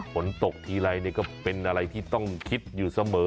ฝนตกทีไรก็เป็นอะไรที่ต้องคิดอยู่เสมอ